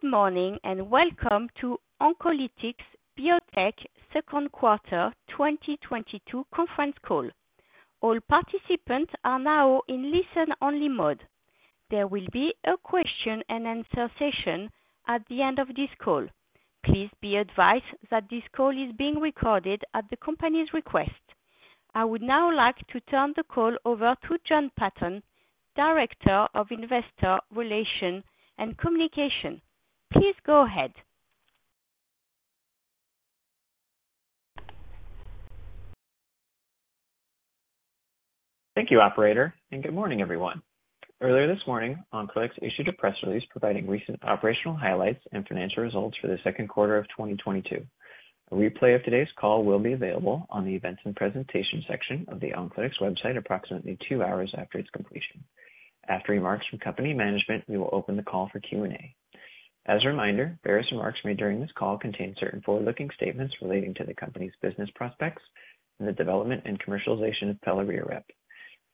Good morning, and welcome to Oncolytics Biotech second quarter 2022 conference call. All participants are now in listen-only mode. There will be a question and answer session at the end of this call. Please be advised that this call is being recorded at the company's request. I would now like to turn the call over to Jon Patton, Director of Investor Relations and Communication. Please go ahead. Thank you, operator, and good morning, everyone. Earlier this morning, Oncolytics issued a press release providing recent operational highlights and financial results for the second quarter of 2022. A replay of today's call will be available on the Events and Presentation section of the Oncolytics website approximately two hours after its completion. After remarks from company management, we will open the call for Q&A. As a reminder, various remarks made during this call contain certain forward-looking statements relating to the company's business prospects and the development and commercialization of pelareorep,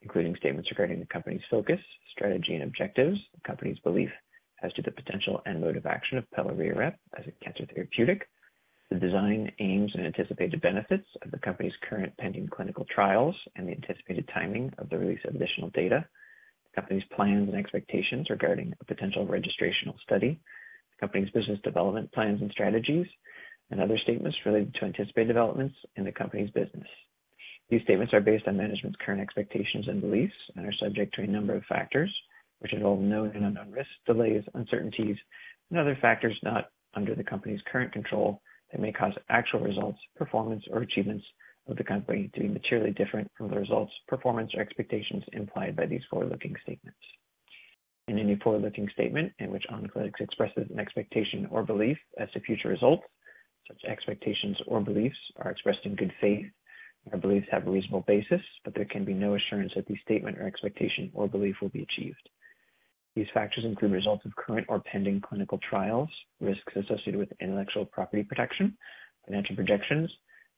including statements regarding the company's focus, strategy, and objectives, the company's belief as to the potential and mode of action of pelareorep as a cancer therapeutic, the design, aims, and anticipated benefits of the company's current pending clinical trials, and the anticipated timing of the release of additional data, the company's plans and expectations regarding a potential registrational study, the company's business development plans and strategies, and other statements related to anticipated developments in the company's business. These statements are based on management's current expectations and beliefs and are subject to a number of factors, which involve known and unknown risks, delays, uncertainties, and other factors not under the company's current control that may cause actual results, performance, or achievements of the company to be materially different from the results, performance, or expectations implied by these forward-looking statements. In any forward-looking statement in which Oncolytics expresses an expectation or belief as to future results, such expectations or beliefs are expressed in good faith and are believed to have a reasonable basis, but there can be no assurance that the statement or expectation or belief will be achieved. These factors include results of current or pending clinical trials, risks associated with intellectual property protection, financial projections,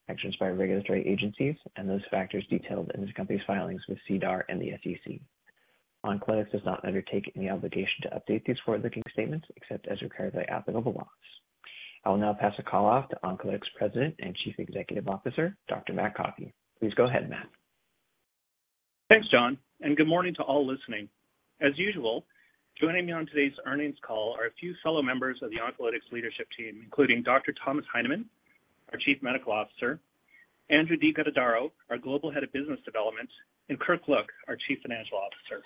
actions by regulatory agencies, and those factors detailed in the company's filings with SEDAR and the SEC. Oncolytics does not undertake any obligation to update these forward-looking statements except as required by applicable laws. I will now pass the call off to Oncolytics' President and Chief Executive Officer, Dr. Matt Coffey. Please go ahead, Matt. Thanks, Jon, and good morning to all listening. As usual, joining me on today's earnings call are a few fellow members of the Oncolytics leadership team, including Dr. Thomas Heineman, our Chief Medical Officer, Andrew de Guttadauro, our Global Head of Business Development, and Kirk Look, our Chief Financial Officer.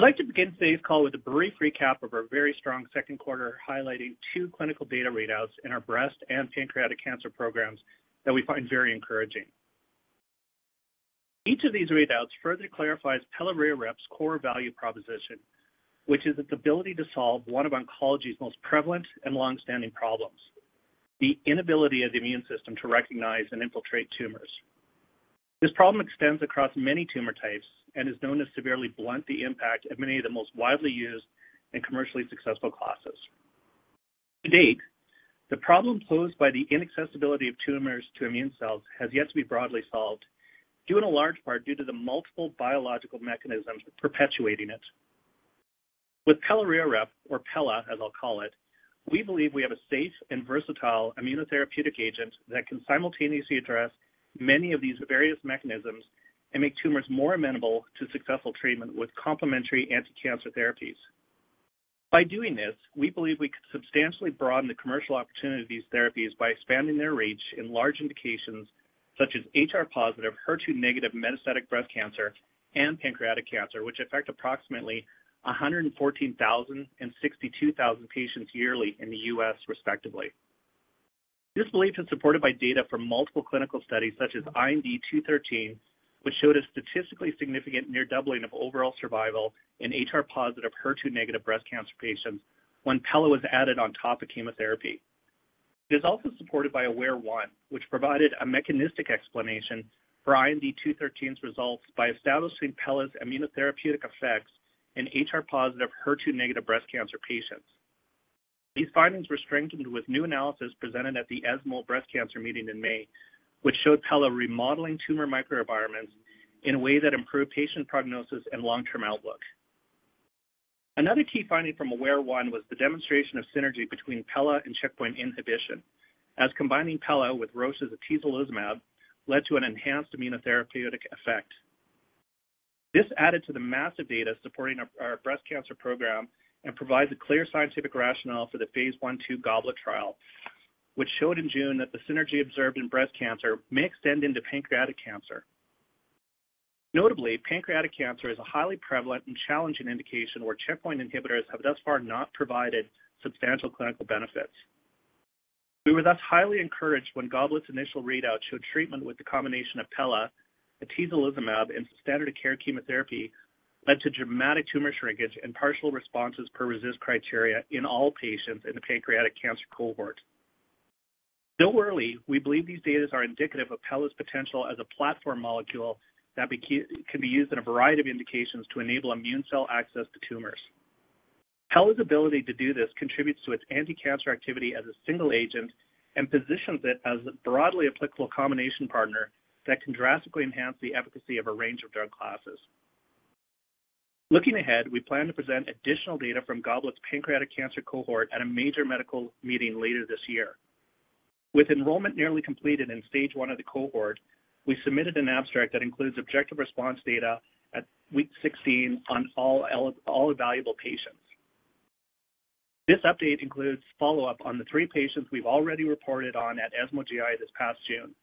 I'd like to begin today's call with a brief recap of our very strong second quarter, highlighting two clinical data readouts in our breast and pancreatic cancer programs that we find very encouraging. Each of these readouts further clarifies pelareorep's core value proposition, which is its ability to solve one of oncology's most prevalent and long-standing problems, the inability of the immune system to recognize and infiltrate tumors. This problem extends across many tumor types and is known to severely blunt the impact of many of the most widely used and commercially successful classes. To date, the problem posed by the inaccessibility of tumors to immune cells has yet to be broadly solved, due in large part to the multiple biological mechanisms perpetuating it. With pelareorep, or Pela, as I'll call it, we believe we have a safe and versatile immunotherapeutic agent that can simultaneously address many of these various mechanisms and make tumors more amenable to successful treatment with complementary anti-cancer therapies. By doing this, we believe we can substantially broaden the commercial opportunity of these therapies by expanding their reach in large indications such as HR-positive, HER2-negative metastatic breast cancer and pancreatic cancer, which affect approximately 114,000 and 62,000 patients yearly in the U.S. respectively. This belief is supported by data from multiple clinical studies such as IND-213, which showed a statistically significant near doubling of overall survival in HR-positive, HER2-negative breast cancer patients when Pela was added on top of chemotherapy. It is also supported by AWARE-1, which provided a mechanistic explanation for IND-213's results by establishing Pela's immunotherapeutic effects in HR-positive, HER2-negative breast cancer patients. These findings were strengthened with new analysis presented at the ESMO Breast Cancer Meeting in May, which showed Pela remodeling tumor microenvironments in a way that improved patient prognosis and long-term outlook. Another key finding from AWARE-1 was the demonstration of synergy between Pela and checkpoint inhibition, as combining Pela with Roche's atezolizumab led to an enhanced immunotherapeutic effect. This added to the massive data supporting our breast cancer program and provides a clear scientific rationale for the phase I/II GOBLET trial, which showed in June that the synergy observed in breast cancer may extend into pancreatic cancer. Notably, pancreatic cancer is a highly prevalent and challenging indication where checkpoint inhibitors have thus far not provided substantial clinical benefits. We were thus highly encouraged when GOBLET's initial readout showed treatment with the combination of Pela, atezolizumab, and standard of care chemotherapy led to dramatic tumor shrinkage and partial responses per RECIST criteria in all patients in the pancreatic cancer cohort. Though early, we believe these data are indicative of Pela's potential as a platform molecule that can be used in a variety of indications to enable immune cell access to tumors. Pela's ability to do this contributes to its anti-cancer activity as a single agent and positions it as a broadly applicable combination partner. That can drastically enhance the efficacy of a range of drug classes. Looking ahead, we plan to present additional data from GOBLET's pancreatic cancer cohort at a major medical meeting later this year. With enrollment nearly completed in Stage 1 of the cohort, we submitted an abstract that includes objective response data at week 16 on all evaluable patients. This update includes follow-up on the three patients we've already reported on at ESMO GI this past June.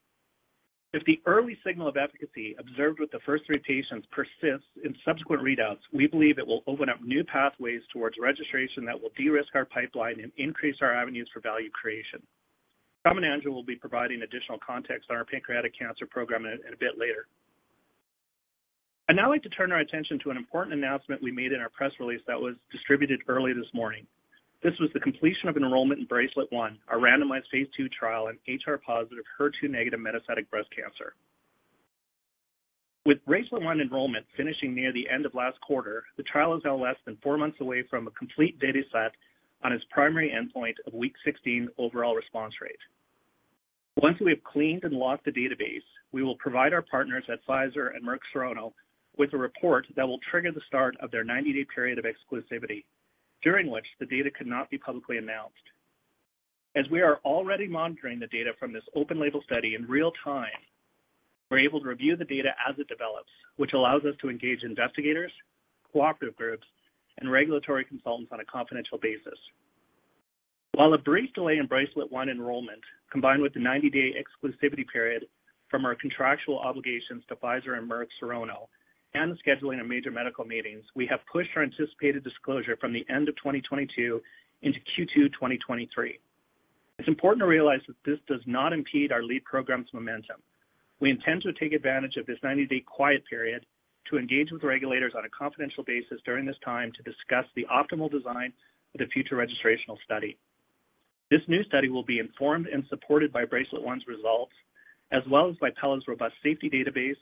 If the early signal of efficacy observed with the first three patients persists in subsequent readouts, we believe it will open up new pathways towards registration that will de-risk our pipeline and increase our avenues for value creation. Tom and Andrew will be providing additional context on our pancreatic cancer program in a bit later. I'd now like to turn our attention to an important announcement we made in our press release that was distributed early this morning. This was the completion of enrollment in BRACELET-1, our randomized phase II trial in HR-positive, HER2-negative metastatic breast cancer. With BRACELET-1 enrollment finishing near the end of last quarter, the trial is now less than four months away from a complete data set on its primary endpoint of week 16 overall response rate. Once we have cleaned and locked the database, we will provide our partners at Pfizer and Merck Serono with a report that will trigger the start of their 90-day period of exclusivity, during which the data cannot be publicly announced. As we are already monitoring the data from this open label study in real time, we're able to review the data as it develops, which allows us to engage investigators, cooperative groups, and regulatory consultants on a confidential basis. While a brief delay in BRACELET-1 enrollment, combined with the 90-day exclusivity period from our contractual obligations to Pfizer and Merck Serono and the scheduling of major medical meetings, we have pushed our anticipated disclosure from the end of 2022 into Q2 2023. It's important to realize that this does not impede our lead program's momentum. We intend to take advantage of this 90-day quiet period to engage with regulators on a confidential basis during this time to discuss the optimal design of the future registrational study. This new study will be informed and supported by BRACELET-1's results, as well as by Pela's robust safety database,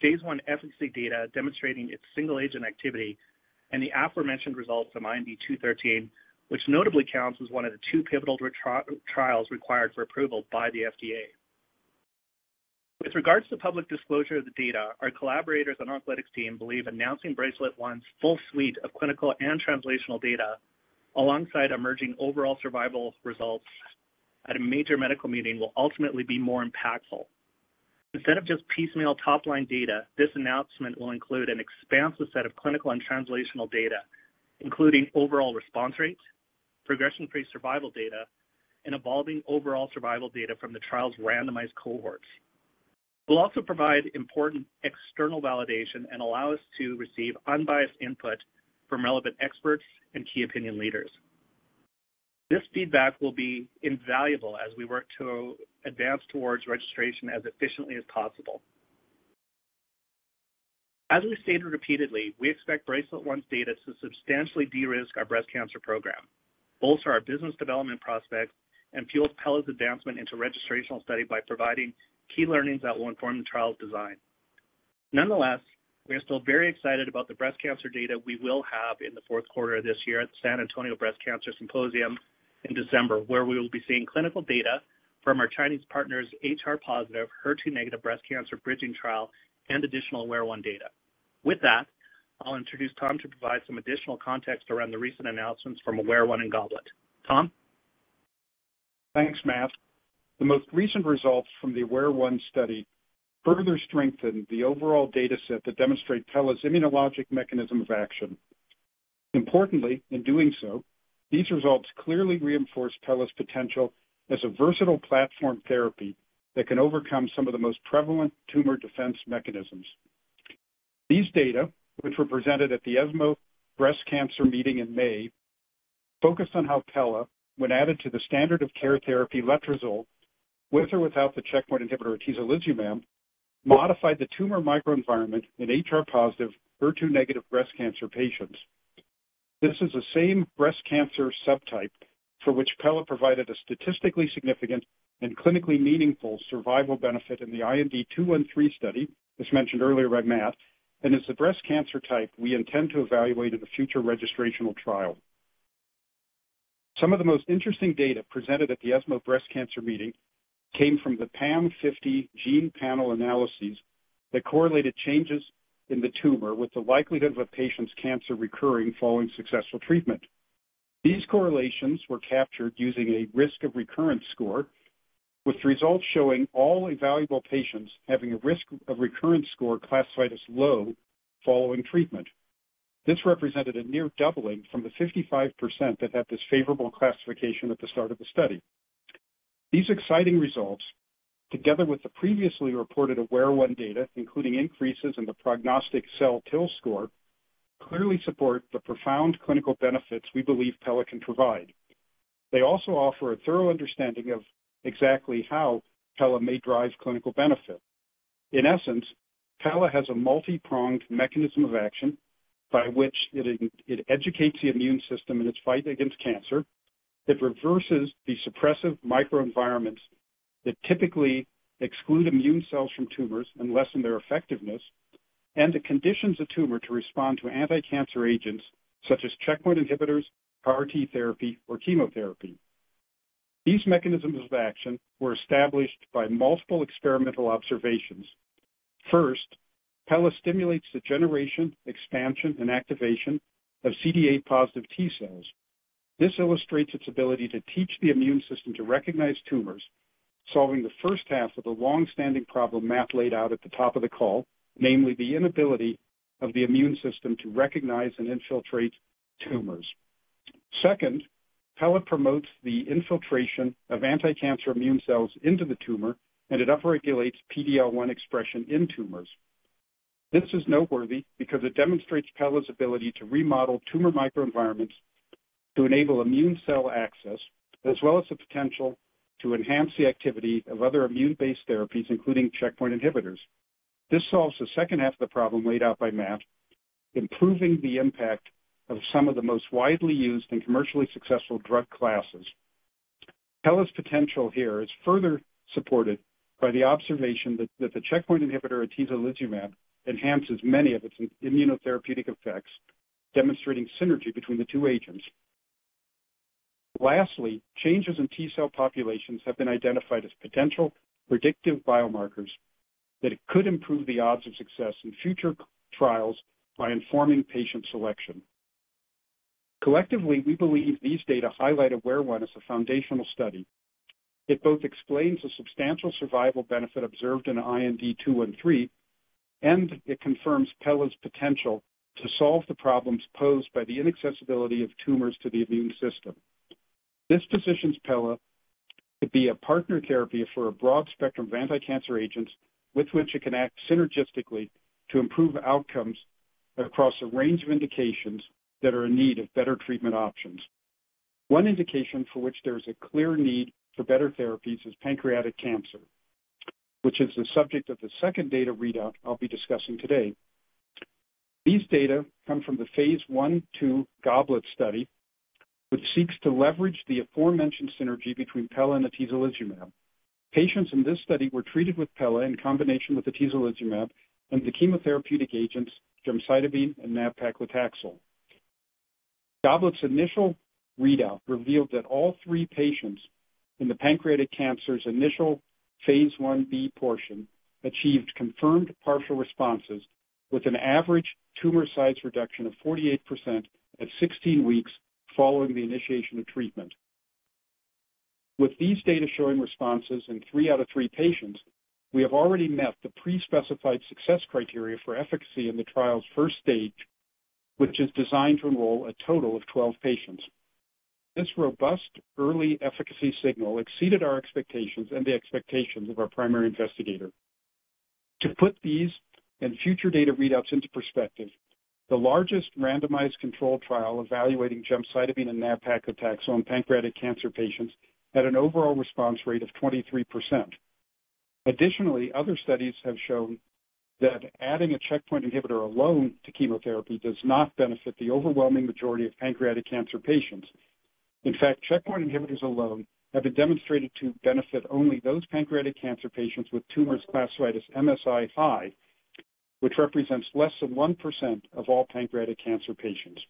phase I efficacy data demonstrating its single agent activity, and the aforementioned results from IND-213, which notably counts as one of the two pivotal registrational trials required for approval by the FDA. With regards to public disclosure of the data, our collaborators and analytics team believe announcing BRACELET-1's full suite of clinical and translational data, alongside emerging overall survival results at a major medical meeting, will ultimately be more impactful. Instead of just piecemeal top-line data, this announcement will include an expansive set of clinical and translational data, including overall response rates, progression-free survival data, and evolving overall survival data from the trial's randomized cohorts. We'll also provide important external validation and allow us to receive unbiased input from relevant experts and key opinion leaders. This feedback will be invaluable as we work to advance towards registration as efficiently as possible. As we stated repeatedly, we expect BRACELET-1's data to substantially de-risk our breast cancer program, bolster our business development prospects, and fuel Pela's advancement into registrational study by providing key learnings that will inform the trial's design. Nonetheless, we are still very excited about the breast cancer data we will have in the fourth quarter of this year at the San Antonio Breast Cancer Symposium in December, where we will be seeing clinical data from our Chinese partner's HR-positive, HER2-negative breast cancer bridging trial and additional AWARE-1 data. With that, I'll introduce Tom to provide some additional context around the recent announcements from AWARE-1 and GOBLET. Tom? Thanks, Matt. The most recent results from the AWARE-1 study further strengthen the overall data set that demonstrate Pela's immunologic mechanism of action. Importantly, in doing so, these results clearly reinforce Pela's potential as a versatile platform therapy that can overcome some of the most prevalent tumor defense mechanisms. These data, which were presented at the ESMO Breast Cancer Meeting in May, focused on how Pela, when added to the standard of care therapy letrozole, with or without the checkpoint inhibitor atezolizumab, modified the tumor microenvironment in HR-positive, HER2-negative breast cancer patients. This is the same breast cancer subtype for which Pela provided a statistically significant and clinically meaningful survival benefit in the IND-213 study, as mentioned earlier by Matt, and is the breast cancer type we intend to evaluate in the future registrational trial. Some of the most interesting data presented at the ESMO Breast Cancer Meeting came from the PAM50 gene panel analyses that correlated changes in the tumor with the likelihood of a patient's cancer recurring following successful treatment. These correlations were captured using a risk of recurrence score, with results showing all evaluable patients having a risk of recurrence score classified as low following treatment. This represented a near doubling from the 55% that had this favorable classification at the start of the study. These exciting results, together with the previously reported AWARE-1 data, including increases in the prognostic cell TIL score, clearly support the profound clinical benefits we believe Pela can provide. They also offer a thorough understanding of exactly how Pela may drive clinical benefit. In essence, Pela has a multi-pronged mechanism of action by which it educates the immune system in its fight against cancer, it reverses the suppressive microenvironments that typically exclude immune cells from tumors and lessen their effectiveness, and it conditions a tumor to respond to anti-cancer agents such as checkpoint inhibitors, CAR T therapy, or chemotherapy. These mechanisms of action were established by multiple experimental observations. First, Pela stimulates the generation, expansion, and activation of CD8-positive T-cells. This illustrates its ability to teach the immune system to recognize tumors, solving the first half of the long-standing problem Matt laid out at the top of the call, namely the inability of the immune system to recognize and infiltrate tumors. Second, Pela promotes the infiltration of anticancer immune cells into the tumor, and it upregulates PD-L1 expression in tumors. This is noteworthy because it demonstrates Pela's ability to remodel tumor microenvironments to enable immune cell access, as well as the potential to enhance the activity of other immune-based therapies, including checkpoint inhibitors. This solves the second half of the problem laid out by Matt, improving the impact of some of the most widely used and commercially successful drug classes. Pela's potential here is further supported by the observation that the checkpoint inhibitor atezolizumab enhances many of its immunotherapeutic effects, demonstrating synergy between the two agents. Lastly, changes in T cell populations have been identified as potential predictive biomarkers that could improve the odds of success in future trials by informing patient selection. Collectively, we believe these data highlight AWARE-1 as a foundational study. It both explains the substantial survival benefit observed in IND-213, and it confirms Pela's potential to solve the problems posed by the inaccessibility of tumors to the immune system. This positions Pela to be a partner therapy for a broad spectrum of anticancer agents with which it can act synergistically to improve outcomes across a range of indications that are in need of better treatment options. One indication for which there is a clear need for better therapies is pancreatic cancer, which is the subject of the second data readout I'll be discussing today. These data come from the phase I/II GOBLET study, which seeks to leverage the aforementioned synergy between Pela and atezolizumab. Patients in this study were treated with Pela in combination with atezolizumab and the chemotherapeutic agents gemcitabine and nab-paclitaxel. GOBLET's initial readout revealed that all three patients in the pancreatic cancer's initial phase I-B portion achieved confirmed partial responses with an average tumor size reduction of 48% at 16 weeks following the initiation of treatment. With these data showing responses in three out of three patients, we have already met the pre-specified success criteria for efficacy in the trial's first stage, which is designed to enroll a total of 12 patients. This robust early efficacy signal exceeded our expectations and the expectations of our primary investigator. To put these and future data readouts into perspective, the largest randomized controlled trial evaluating gemcitabine and nab-paclitaxel in pancreatic cancer patients had an overall response rate of 23%. Additionally, other studies have shown that adding a checkpoint inhibitor alone to chemotherapy does not benefit the overwhelming majority of pancreatic cancer patients. In fact, checkpoint inhibitors alone have been demonstrated to benefit only those pancreatic cancer patients with tumors classified as MSI-high, which represents less than 1% of all pancreatic cancer patients.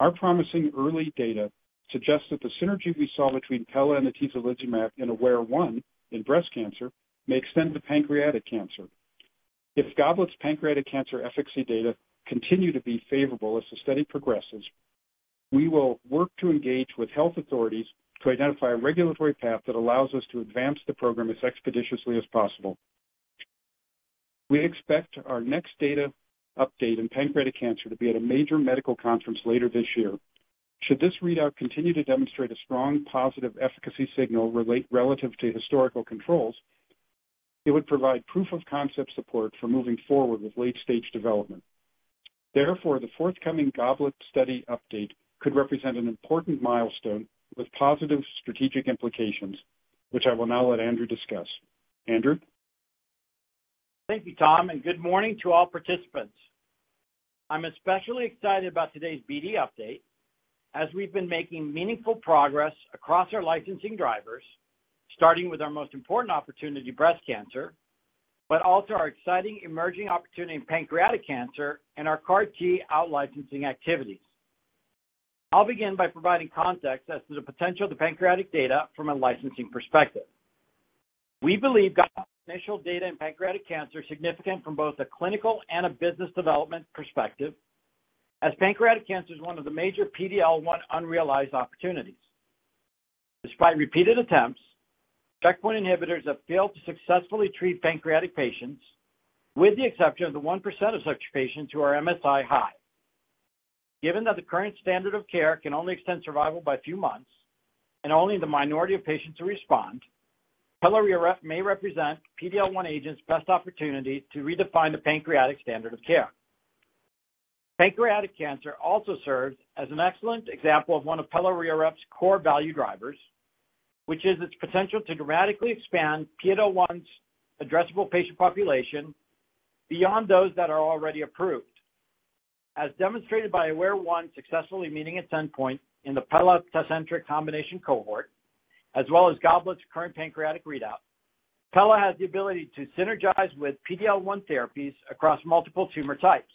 Our promising early data suggests that the synergy we saw between Pela and atezolizumab in AWARE-1 in breast cancer may extend to pancreatic cancer. If GOBLET's pancreatic cancer efficacy data continue to be favorable as the study progresses, we will work to engage with health authorities to identify a regulatory path that allows us to advance the program as expeditiously as possible. We expect our next data update in pancreatic cancer to be at a major medical conference later this year. Should this readout continue to demonstrate a strong positive efficacy signal relative to historical controls, it would provide proof of concept support for moving forward with late-stage development. Therefore, the forthcoming GOBLET study update could represent an important milestone with positive strategic implications, which I will now let Andrew discuss. Andrew? Thank you, Tom, and good morning to all participants. I'm especially excited about today's BD update as we've been making meaningful progress across our licensing drivers, starting with our most important opportunity, breast cancer, but also our exciting emerging opportunity in pancreatic cancer and our CAR T out-licensing activities. I'll begin by providing context as to the potential of the pancreatic data from a licensing perspective. We believe GOBLET's initial data in pancreatic cancer is significant from both a clinical and a business development perspective, as pancreatic cancer is one of the major PD-L1 unrealized opportunities. Despite repeated attempts, checkpoint inhibitors have failed to successfully treat pancreatic patients, with the exception of the 1% of such patients who are MSI-high. Given that the current standard of care can only extend survival by a few months and only the minority of patients who respond, pelareorep may represent PD-L1 agents' best opportunity to redefine the pancreatic standard of care. Pancreatic cancer also serves as an excellent example of one of pelareorep's core value drivers, which is its potential to dramatically expand PD-L1's addressable patient population beyond those that are already approved. As demonstrated by AWARE-1 successfully meeting its endpoint in the Pela plus Tecentriq combination cohort, as well as GOBLET's current pancreatic readout, Pela has the ability to synergize with PD-L1 therapies across multiple tumor types.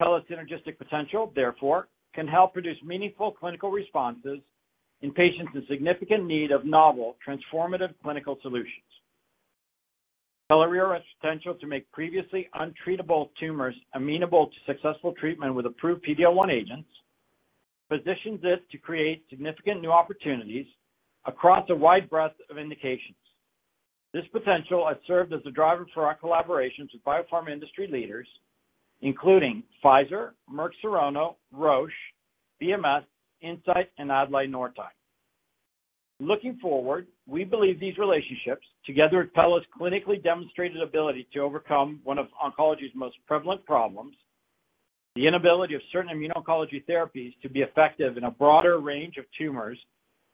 Pela's synergistic potential, therefore, can help produce meaningful clinical responses in patients in significant need of novel transformative clinical solutions. Pelareorep's potential to make previously untreatable tumors amenable to successful treatment with approved PD-L1 agents positions it to create significant new opportunities across a wide breadth of indications. This potential has served as the driver for our collaborations with biopharma industry leaders, including Pfizer, Merck Serono, Roche, BMS, Incyte, and Adlai Nortye. Looking forward, we believe these relationships, together with Pela's clinically demonstrated ability to overcome one of oncology's most prevalent problems, the inability of certain immuno-oncology therapies to be effective in a broader range of tumors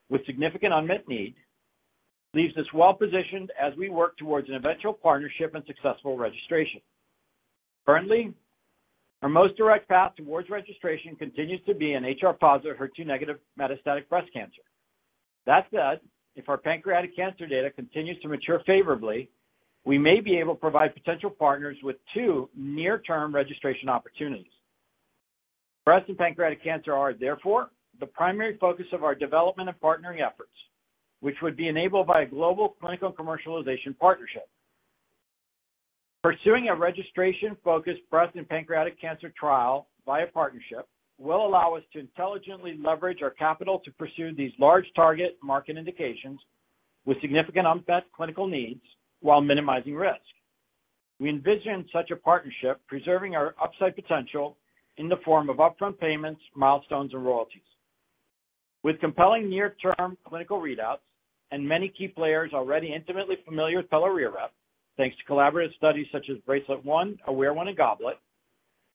with significant unmet need, leaves us well-positioned as we work towards an eventual partnership and successful registration. Currently, our most direct path towards registration continues to be in HR-positive, HER2-negative metastatic breast cancer. That said, if our pancreatic cancer data continues to mature favorably, we may be able to provide potential partners with two near-term registration opportunities. Breast and pancreatic cancer are therefore the primary focus of our development and partnering efforts, which would be enabled by a global clinical commercialization partnership. Pursuing a registration-focused breast and pancreatic cancer trial via partnership will allow us to intelligently leverage our capital to pursue these large target market indications with significant unmet clinical needs while minimizing risk. We envision such a partnership preserving our upside potential in the form of upfront payments, milestones, and royalties. With compelling near-term clinical readouts and many key players already intimately familiar with pelareorep, thanks to collaborative studies such as BRACELET-1, AWARE-1, and GOBLET,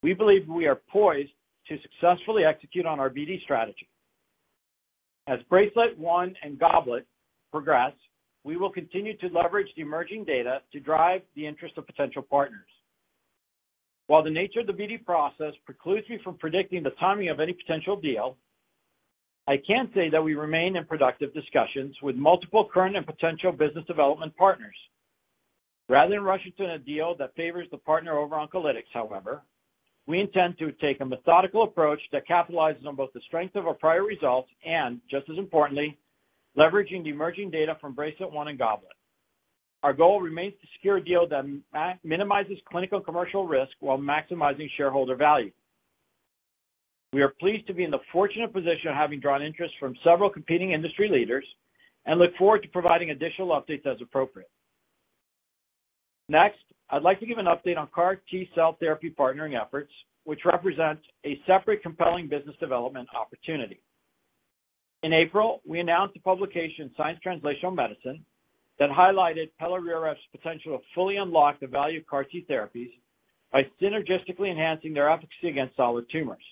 we believe we are poised to successfully execute on our BD strategy. As BRACELET-1 and GOBLET progress, we will continue to leverage the emerging data to drive the interest of potential partners. While the nature of the BD process precludes me from predicting the timing of any potential deal, I can say that we remain in productive discussions with multiple current and potential business development partners. Rather than rushing to a deal that favors the partner over Oncolytics, however, we intend to take a methodical approach that capitalizes on both the strength of our prior results and, just as importantly, leveraging the emerging data from BRACELET-1 and GOBLET. Our goal remains to secure a deal that minimizes clinical commercial risk while maximizing shareholder value. We are pleased to be in the fortunate position of having drawn interest from several competing industry leaders and look forward to providing additional updates as appropriate. Next, I'd like to give an update on CAR T cell therapy partnering efforts, which represent a separate compelling business development opportunity. In April, we announced a publication in Science Translational Medicine that highlighted pelareorep's potential to fully unlock the value of CAR T therapies by synergistically enhancing their efficacy against solid tumors.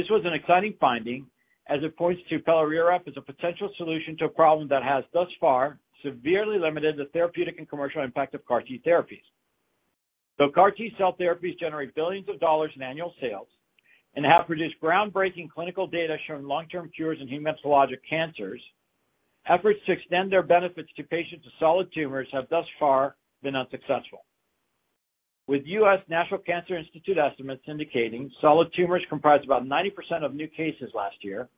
This was an exciting finding as it points to pelareorep as a potential solution to a problem that has thus far severely limited the therapeutic and commercial impact of CAR T therapies. Though CAR T cell therapies generate billions of dollars in annual sales and have produced groundbreaking clinical data showing long-term cures in hematologic cancers, efforts to extend their benefits to patients with solid tumors have thus far been unsuccessful. With U.S. National Cancer Institute estimates indicating solid tumors comprised about 90% of new cases last year,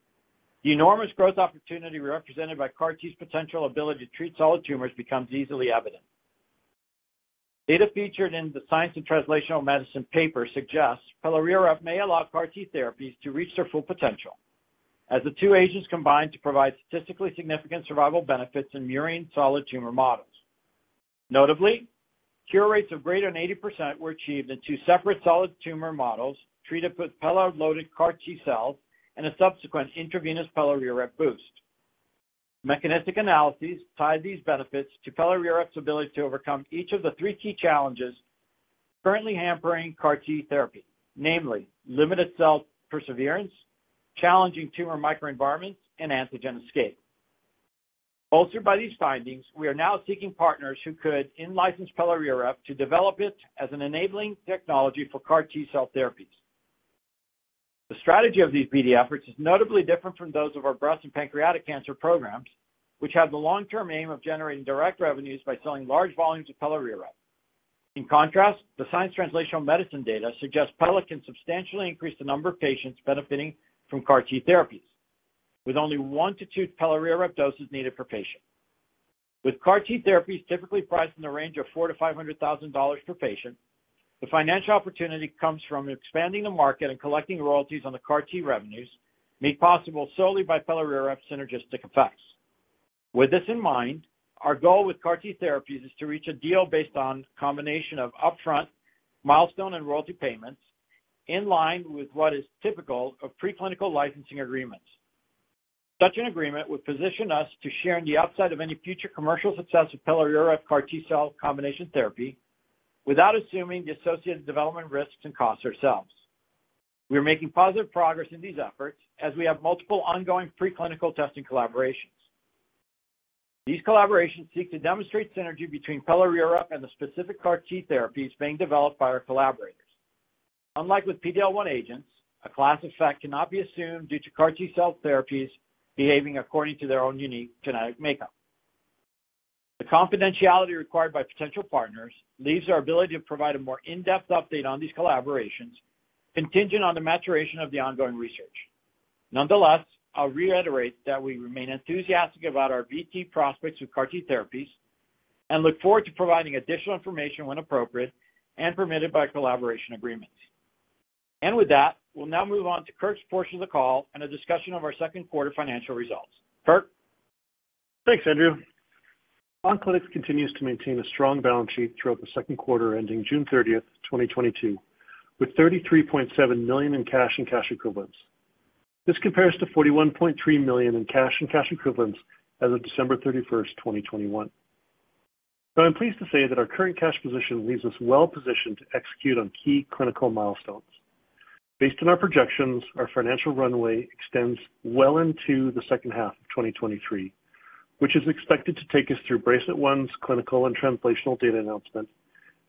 the enormous growth opportunity represented by CAR T's potential ability to treat solid tumors becomes easily evident. Data featured in the Science Translational Medicine paper suggests pelareorep may allow CAR T therapies to reach their full potential, as the two agents combined to provide statistically significant survival benefits in murine solid tumor models. Notably, cure rates of greater than 80% were achieved in two separate solid tumor models treated with Pela-loaded CAR T cells and a subsequent intravenous pelareorep boost. Mechanistic analyses tied these benefits to pelareorep's ability to overcome each of the three key challenges currently hampering CAR T therapy, namely limited cell persistence, challenging tumor microenvironments, and antigen escape. Bolstered by these findings, we are now seeking partners who could in-license pelareorep to develop it as an enabling technology for CAR T cell therapies. The strategy of these BD efforts is notably different from those of our breast and pancreatic cancer programs, which have the long-term aim of generating direct revenues by selling large volumes of pelareorep. In contrast, the Science Translational Medicine data suggests Pela can substantially increase the number of patients benefiting from CAR T therapies, with only one to two pelareorep doses needed per patient. With CAR T therapies typically priced in the range of $400,000-$500,000 per patient, the financial opportunity comes from expanding the market and collecting royalties on the CAR T revenues made possible solely by pelareorep synergistic effects. With this in mind, our goal with CAR T therapies is to reach a deal based on combination of upfront, milestone, and royalty payments in line with what is typical of preclinical licensing agreements. Such an agreement would position us to share in the upside of any future commercial success of pelareorep CAR T cell combination therapy without assuming the associated development risks and costs ourselves. We are making positive progress in these efforts as we have multiple ongoing preclinical testing collaborations. These collaborations seek to demonstrate synergy between pelareorep and the specific CAR T therapies being developed by our collaborators. Unlike with PD-L1 agents, a class effect cannot be assumed due to CAR T cell therapies behaving according to their own unique genetic makeup. The confidentiality required by potential partners leaves our ability to provide a more in-depth update on these collaborations contingent on the maturation of the ongoing research. Nonetheless, I'll reiterate that we remain enthusiastic about our BD prospects with CAR T therapies and look forward to providing additional information when appropriate and permitted by collaboration agreements. With that, we'll now move on to Kirk's portion of the call and a discussion of our second quarter financial results. Kirk. Thanks, Andrew. Oncolytics continues to maintain a strong balance sheet throughout the second quarter ending June 30, 2022, with $33.7 million in cash and cash equivalents. This compares to $41.3 million in cash and cash equivalents as of December 31, 2021. I'm pleased to say that our current cash position leaves us well-positioned to execute on key clinical milestones. Based on our projections, our financial runway extends well into the second half of 2023, which is expected to take us through BRACELET-1's clinical and translational data announcement,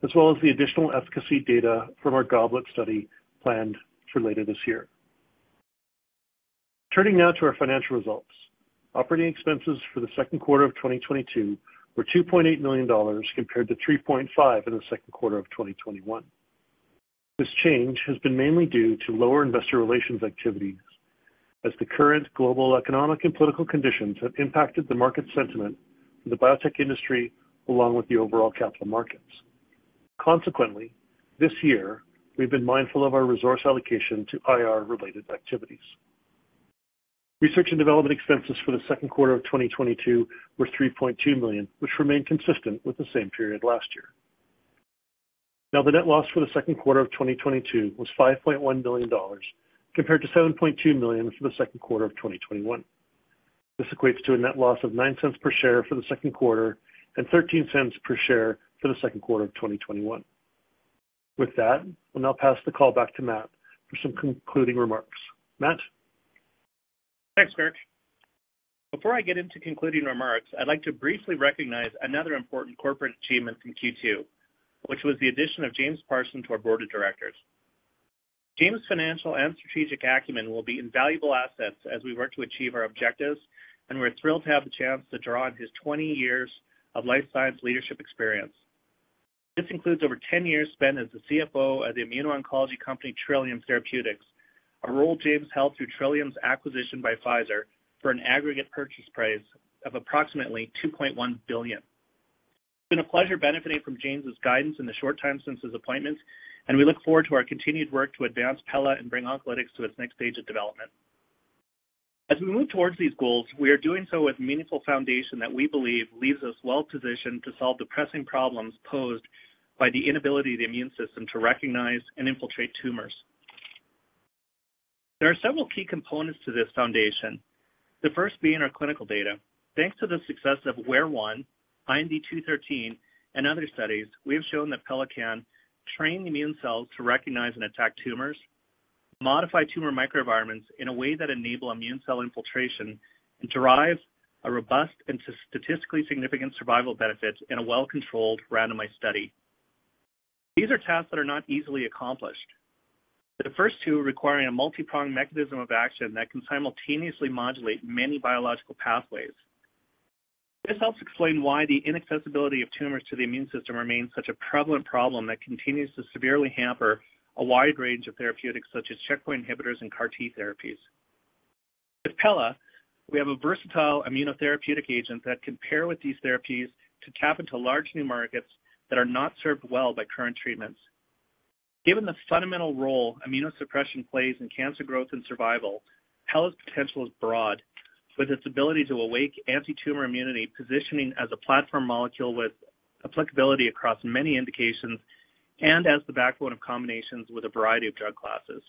as well as the additional efficacy data from our GOBLET study planned for later this year. Turning now to our financial results. Operating expenses for the second quarter of 2022 were $2.8 million compared to $3.5 million in the second quarter of 2021. This change has been mainly due to lower Investor Relations activities as the current global economic and political conditions have impacted the market sentiment in the biotech industry, along with the overall capital markets. Consequently, this year we've been mindful of our resource allocation to IR-related activities. Research and development expenses for the second quarter of 2022 were 3.2 million, which remained consistent with the same period last year. Now, the net loss for the second quarter of 2022 was 5.1 million dollars, compared to 7.2 million for the second quarter of 2021. This equates to a net loss of 0.09 per share for the second quarter and 0.13 per share for the second quarter of 2021. With that, we'll now pass the call back to Matt for some concluding remarks. Matt. Thanks, Kirk. Before I get into concluding remarks, I'd like to briefly recognize another important corporate achievement in Q2, which was the addition of James Parsons to our Board of Directors. James' financial and strategic acumen will be invaluable assets as we work to achieve our objectives, and we're thrilled to have the chance to draw on his 20 years of life science leadership experience. This includes over 10 years spent as the CFO at the immuno-oncology company Trillium Therapeutics, a role James held through Trillium's acquisition by Pfizer for an aggregate purchase price of approximately 2.1 billion. It's been a pleasure benefiting from James's guidance in the short time since his appointment, and we look forward to our continued work to advance Pela and bring Oncolytics to its next stage of development. As we move towards these goals, we are doing so with meaningful foundation that we believe leaves us well-positioned to solve the pressing problems posed by the inability of the immune system to recognize and infiltrate tumors. There are several key components to this foundation, the first being our clinical data. Thanks to the success of AWARE-1, IND-213, and other studies, we have shown that Pela can train immune cells to recognize and attack tumors, modify tumor microenvironments in a way that enable immune cell infiltration, and derive a robust and statistically significant survival benefit in a well-controlled randomized study. These are tasks that are not easily accomplished. The first two requiring a multi-pronged mechanism of action that can simultaneously modulate many biological pathways. This helps explain why the inaccessibility of tumors to the immune system remains such a prevalent problem that continues to severely hamper a wide range of therapeutics such as checkpoint inhibitors and CAR T therapies. With Pela, we have a versatile immunotherapeutic agent that can pair with these therapies to tap into large new markets that are not served well by current treatments. Given the fundamental role immunosuppression plays in cancer growth and survival, Pela's potential is broad, with its ability to awake antitumor immunity positioning as a platform molecule with applicability across many indications and as the backbone of combinations with a variety of drug classes.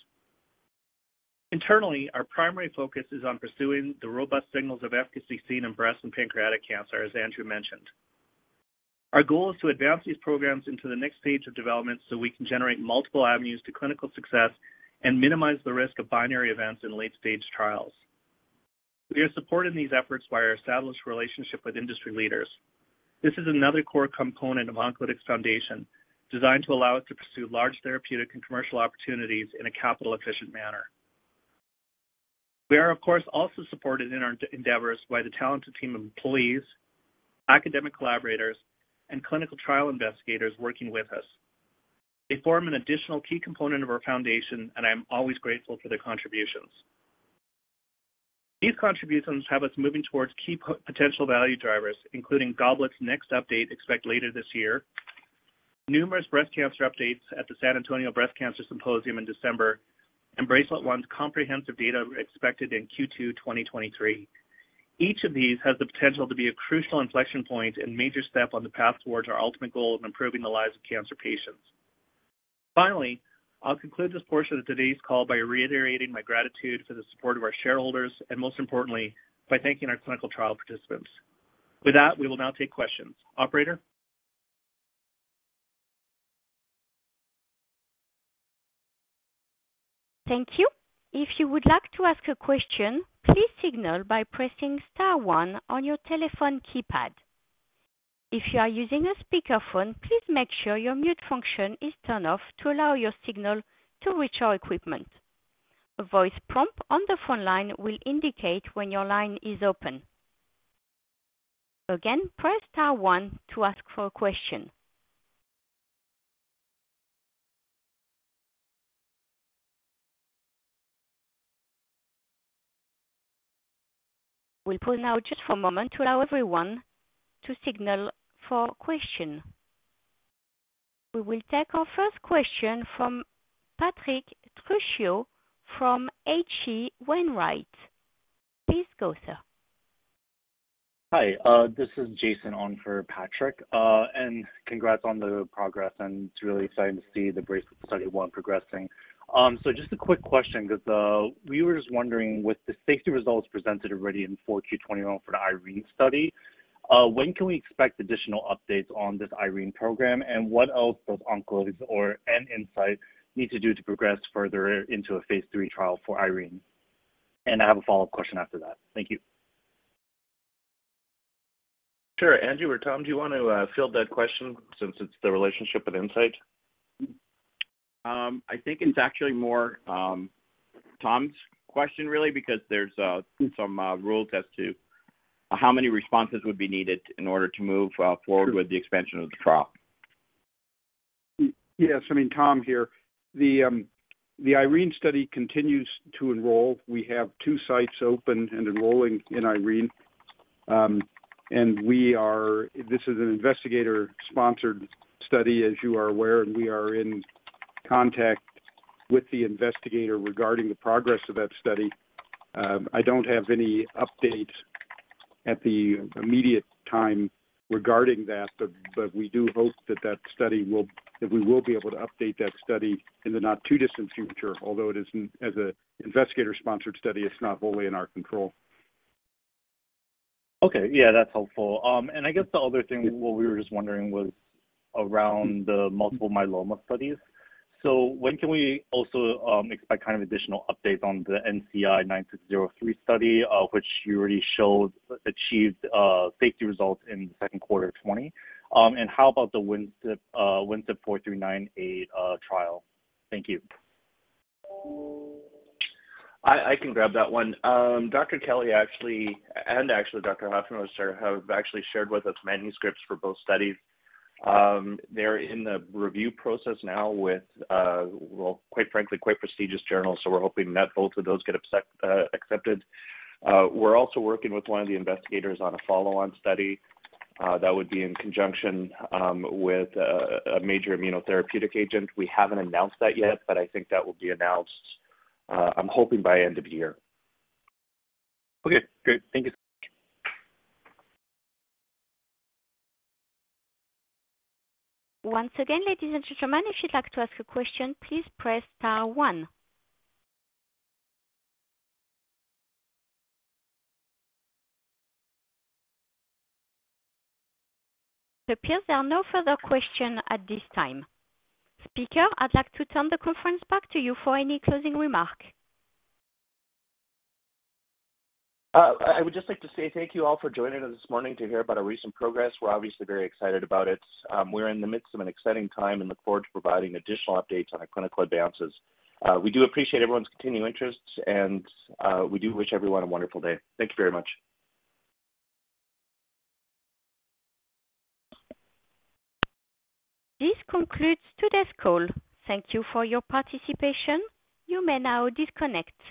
Internally, our primary focus is on pursuing the robust signals of efficacy seen in breast and pancreatic cancer, as Andrew mentioned. Our goal is to advance these programs into the next stage of development so we can generate multiple avenues to clinical success and minimize the risk of binary events in late-stage trials. We are supporting these efforts by our established relationship with industry leaders. This is another core component of Oncolytics' foundation, designed to allow us to pursue large therapeutic and commercial opportunities in a capital-efficient manner. We are, of course, also supported in our endeavors by the talented team of employees, academic collaborators, and clinical trial investigators working with us. They form an additional key component of our foundation, and I am always grateful for their contributions. These contributions have us moving towards key potential value drivers, including GOBLET's next update expected later this year, numerous breast cancer updates at the San Antonio Breast Cancer Symposium in December, and BRACELET-1's comprehensive data expected in Q2 2023. Each of these has the potential to be a crucial inflection point and major step on the path towards our ultimate goal in improving the lives of cancer patients. Finally, I'll conclude this portion of today's call by reiterating my gratitude for the support of our shareholders, and most importantly, by thanking our clinical trial participants. With that, we will now take questions. Operator? Thank you. If you would like to ask a question, please signal by pressing star one on your telephone keypad. If you are using a speakerphone, please make sure your mute function is turned off to allow your signal to reach our equipment. A voice prompt on the phone line will indicate when your line is open. Again, press star one to ask for a question. We'll pause now just for a moment to allow everyone to signal for question. We will take our first question from Patrick Trucchio from H.C. Wainwright. Please go, sir. Hi, this is Jason on for Patrick. Congrats on the progress, and it's really exciting to see the BRACELET-1 study progressing. Just a quick question, 'cause we were just wondering with the safety results presented already in 4Q 2021 for the IRENE study, when can we expect additional updates on this IRENE program, and what else does Oncolytics and Incyte need to do to progress further into a phase III trial for IRENE? I have a follow-up question after that. Thank you. Sure. Andrew or Tom, do you want to field that question since it's the relationship with Incyte? I think it's actually more Tom's question really, because there's some rule tests to how many responses would be needed in order to move forward with the expansion of the trial. Yes. I mean, Tom here. The IRENE study continues to enroll. We have two sites open and enrolling in IRENE. This is an investigator-sponsored study, as you are aware, and we are in contact with the investigator regarding the progress of that study. I don't have any update at the immediate time regarding that, but we do hope that we will be able to update that study in the not too distant future. Although it is an investigator-sponsored study, it's not wholly in our control. Okay. Yeah, that's helpful. I guess the other thing, what we were just wondering was around the multiple myeloma studies. When can we also expect kind of additional updates on the NCI-9603 study, which you already showed achieved safety results in the second quarter of 2020? How about the WINSHIP 4398-18 trial? Thank you. I can grab that one. Dr. Kelly, actually, and actually Dr. Huffman have actually shared with us manuscripts for both studies. They're in the review process now with, well, quite frankly, quite prestigious journals, so we're hoping that both of those get accepted. We're also working with one of the investigators on a follow-on study that would be in conjunction with a major immunotherapeutic agent. We haven't announced that yet, but I think that will be announced. I'm hoping by end of year. Okay, great. Thank you. Once again, ladies and gentlemen, if you'd like to ask a question, please press star one. It appears there are no further questions at this time. Speaker, I'd like to turn the conference back to you for any closing remarks. I would just like to say thank you all for joining us this morning to hear about our recent progress. We're obviously very excited about it. We're in the midst of an exciting time and look forward to providing additional updates on our clinical advances. We do appreciate everyone's continued interest and we do wish everyone a wonderful day. Thank you very much. This concludes today's call. Thank you for your participation. You may now disconnect.